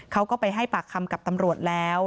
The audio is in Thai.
เขาก็ไปให้ปากคำกับตำรวจแล้ว